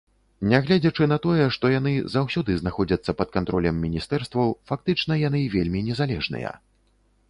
Нягледзячы на тое, што яны заўсёды знаходзяцца пад кантролем міністэрстваў, фактычна яны вельмі незалежныя.